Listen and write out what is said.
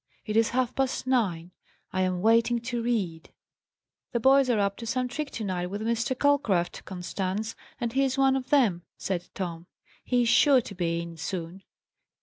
It is half past nine! I am waiting to read." "The boys are up to some trick to night with Mr. Calcraft, Constance, and he is one of them," said Tom. "He is sure to be in soon."